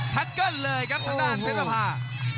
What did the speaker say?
เกิ้ลเลยครับทางด้านเพชรภา